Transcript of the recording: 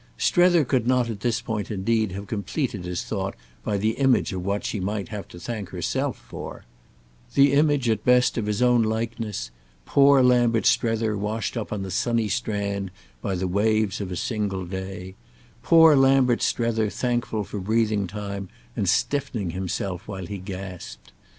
Strether could not at this point indeed have completed his thought by the image of what she might have to thank herself for: the image, at best, of his own likeness—poor Lambert Strether washed up on the sunny strand by the waves of a single day, poor Lambert Strether thankful for breathing time and stiffening himself while he gasped.